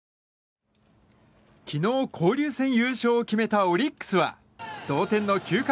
昨日、交流戦優勝を決めたオリックスは同点の９回。